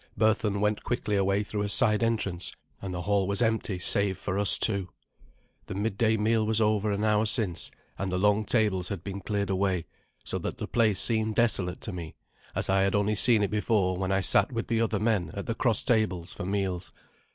Berthun went quickly away through a side entrance, and the hail was empty save for us two. The midday meal was over an hour since, and the long tables had been cleared away, so that the place seemed desolate to me, as I had only seen it before when I sat with the other men at the cross tables for meals.